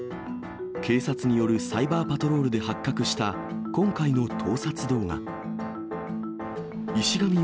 警察によるサイバーパトロールで発覚した今回の盗撮動画。